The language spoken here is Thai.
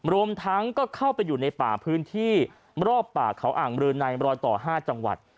รวมทั้งก็เข้าไปอยู่ในป่าพื้นที่รอบป่าเขาอ่างบรือในรอยต่อ๕จังหวัด